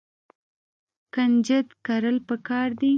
کنجد کرل پکار دي.